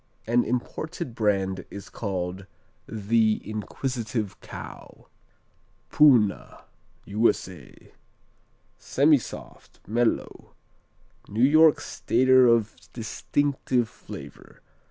An imported brand is called "The Inquisitive Cow." Poona U.S.A. Semisoft; mellow; New York Stater of distinctive flavor.